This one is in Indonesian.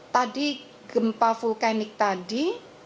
tadi gempa vulkanik tadi